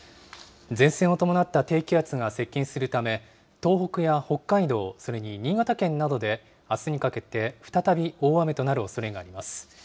前線を伴った低気圧が接近するため、東北や北海道、それに新潟県などで、あすにかけて再び大雨となるおそれがあります。